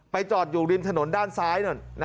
ไปจอดอยู่ริมถนนด้านซ้าย